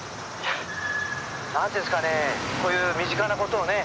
何ていうんですかねこういう身近な事をね